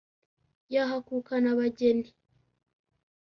yahakukana abageni.